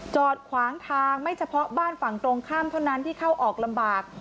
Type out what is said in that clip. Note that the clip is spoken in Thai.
จอดขวางทางไม่เฉพาะบ้านฝั่งตรงข้ามเท่านั้นที่เข้าออกลำบาก